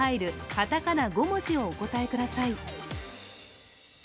カタカナ５文字をお答えください。